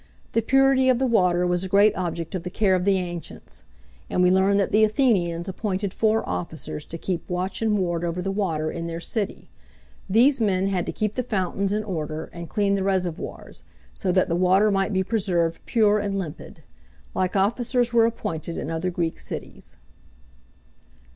The purity of the water was a great object of the care of the ancients; and we learn that the Athenians appointed four officers to keep watch and ward over the water in their city. These men had to keep the fountains in order and clean the reservoirs, so that the water might be preserved pure and limpid. Like officers were appointed in other Greek cities.